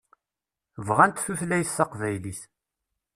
Bɣant tutlayt taqbaylit.